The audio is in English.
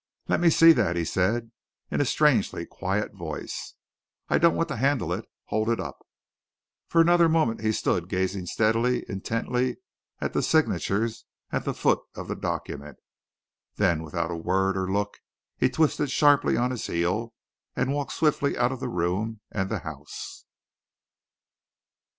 "Let me see that!" he said, in a strangely quiet voice. "I don't want to handle it hold it up!" For another moment he stood gazing steadily, intently, at the signatures at the foot of the document. Then, without a word or look, he twisted sharply on his heel, and walked swiftly out of the room and the house.